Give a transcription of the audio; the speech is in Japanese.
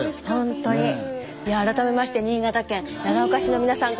改めまして新潟県長岡市の皆さん